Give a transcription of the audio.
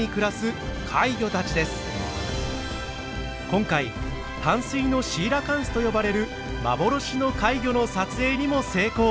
今回「淡水のシーラカンス」と呼ばれる幻の怪魚の撮影にも成功。